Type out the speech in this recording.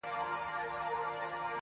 چي ښکاري موږکان ټوله و لیدله,